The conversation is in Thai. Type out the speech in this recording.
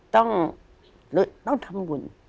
ต้องทำบุญ